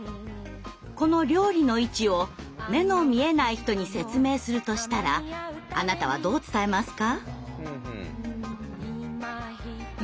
この料理の位置を目の見えない人に説明するとしたらあなたはどう伝えますか？